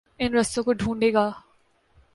ان رستوں کو ڈھونڈے گا۔